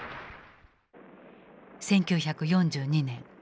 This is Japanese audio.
１９４２年